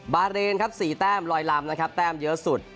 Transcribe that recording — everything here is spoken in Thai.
บาเรนครับ๔แต้มลอยลำนะครับแต้มเยอะสุด